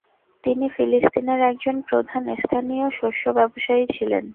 তিনি ফিলিস্তিনের একজন প্রধান স্থানীয় শস্য ব্যবসায়ী ছিলেন।